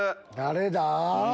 誰だ？